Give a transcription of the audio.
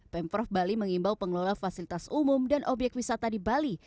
pemprov bali mengimbau pengelola fasilitas umum dan obyek wisata di bali